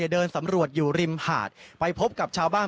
เดินสำรวจอยู่ริมหาดไปพบกับชาวบ้าน